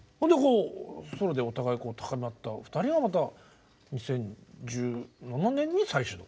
ソロでお互い高め合った２人がまた２０１７年に再始動。